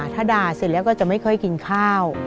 ถ้าด่าเสร็จแล้วก็จะไม่ค่อยกินข้าว